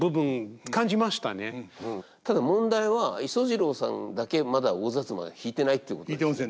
ただ問題は伊十冶郎さんだけまだ「大摩」弾いてないってことなんです。